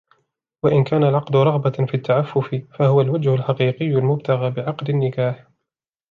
وَإِنْ كَانَ الْعَقْدُ رَغْبَةً فِي التَّعَفُّفِ فَهُوَ الْوَجْهُ الْحَقِيقِيُّ الْمُبْتَغَى بِعَقْدِ النِّكَاحِ